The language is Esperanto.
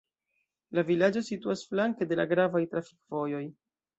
La vilaĝo situas flanke de la gravaj trafikvojoj.